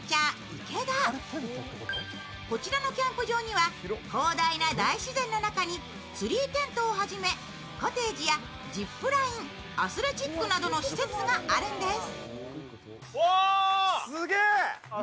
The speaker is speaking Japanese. こちらのキャンプ場には広大な大自然の中にツリーテントをはじめ、コテージやジップライン、アスレチックなどの施設があるんです。